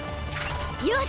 よし！